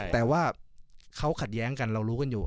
แต่ว่าเขาขัดแย้งกันเรารู้กันอยู่